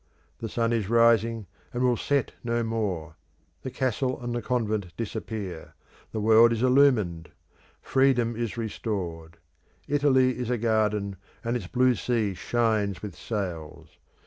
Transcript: The sun is rising, and will set no more: the castle and the convent disappear: the world is illumined: freedom is restored. Italy is a garden, and its blue sea shines with sails.